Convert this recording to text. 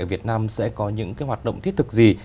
ở việt nam sẽ có những hoạt động thiết thực gì